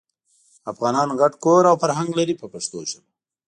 افغانان ګډ کور او فرهنګ لري په پښتو ژبه.